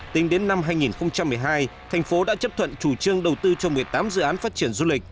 tính đến năm hai nghìn một mươi hai thành phố đã chấp thuận chủ trương đầu tư cho một mươi tám dự án phát triển du lịch